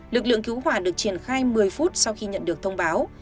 lực lượng cứu hỏa được triển khai một mươi phút sau khi nhận được thông báo